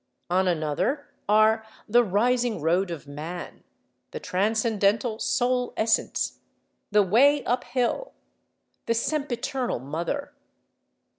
On another are the Rising Road of Man, the Transcendental Soul Essence, the Way Uphill, the Sempiternal Mother.